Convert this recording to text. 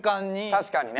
確かにね。